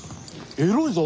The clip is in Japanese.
エロいぞ。